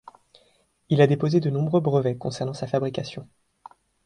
Il a déposé de nombreux brevets concernant sa fabrication.